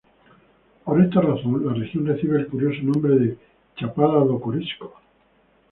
Por esta razón, la región recibe el curioso nombre de "Chapada do Corisco".